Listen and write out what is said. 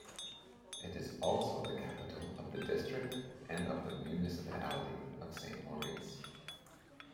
It is also the capital of the district and of the municipality of Saint-Maurice.